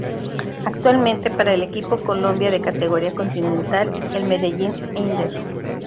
Actualmente para el equipo colombia de categoría Continental el Medellín-Inder.